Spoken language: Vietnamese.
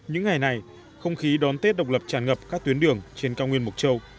những ngày này không khí đón tết độc lập tràn ngập các tuyến đường trên cao nguyên mộc châu